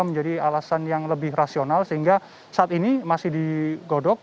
menjadi alasan yang lebih rasional sehingga saat ini masih digodok